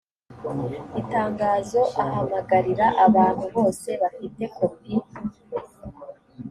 itangazo ahamagarira abantu bose bafite kopi